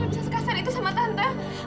kok andrei bisa sekasar itu sama tante